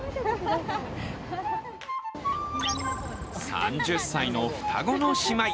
３０歳の双子の姉妹。